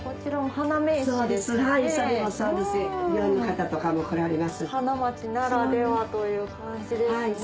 花街ならではという感じですね。